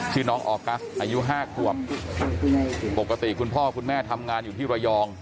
ชื่อน้องออกัสอายุห้าขวบปกติคุณพ่อคุณแม่ทำงานอยู่ที่ระยอง